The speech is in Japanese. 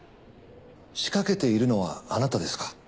仕掛けているのはあなたですか？